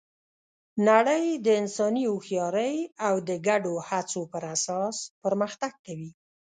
نړۍ د انساني هوښیارۍ او د ګډو هڅو پر اساس پرمختګ کوي.